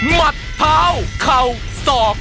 มัดเท้าเข่าศอก